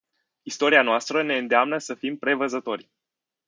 Istoria noastră ne îndeamnă să fim prevăzători.